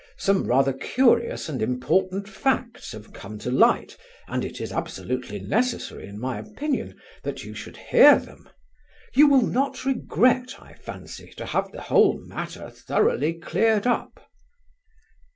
Some rather curious and important facts have come to light, and it is absolutely necessary, in my opinion, that you should hear them. You will not regret, I fancy, to have the whole matter thoroughly cleared up."